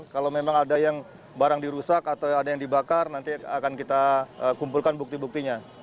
kalau memang ada yang barang dirusak atau ada yang dibakar nanti akan kita kumpulkan bukti buktinya